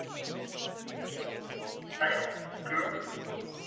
He is a member of the Hazara ethnic group.